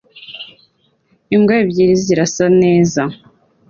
Imbwa ebyiri zirasa nesa